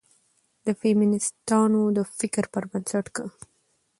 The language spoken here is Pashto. د فيمنستانو د فکر پر بنسټ، که